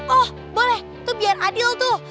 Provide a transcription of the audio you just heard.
oh boleh tuh biar adil tuh